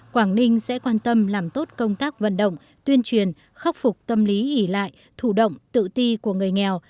quảng ninh sẽ quan tâm làm tốt công tác vận động tuyên truyền khắc phục tâm lý ỉ lại thủ động tự ti của người nghèo